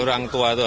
ya orang tua tuh